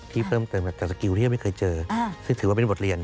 ที่เติมเติมการการที่ไม่เคยเห็น